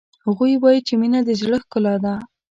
هغوی وایي چې مینه د زړه ښکلا ده